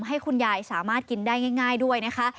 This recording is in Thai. ให้คุณยายสามารถกินได้ง่ายด้วยนะคะ